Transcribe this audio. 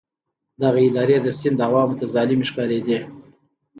دغه ادارې د سند عوامو ته ظالمې ښکارېدې.